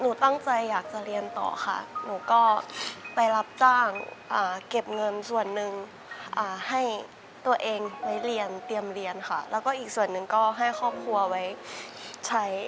หนูตั้งใจอยากจะเรียนต่อค่ะหนูก็ไปรับจ้างเก็บเงินส่วนหนึ่งให้ตัวเองไว้เรียนเตรียมเรียนค่ะแล้วก็อีกส่วนหนึ่งก็ให้ครอบครัวไว้ใช้